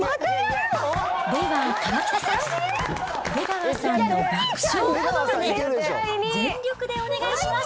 では、河北さん、出川さんの爆笑ものまね、全力でお願いします。